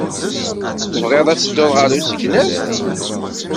Tebɣid ad teddud ɣer usegnaf?